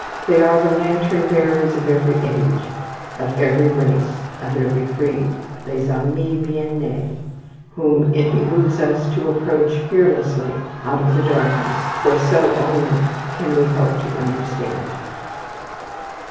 They are the lantern bearers of every age, of every race, of every creed, les ames bien nees whom it behooves us to approach fearlessly out of the darkness, for so only can we hope to understand.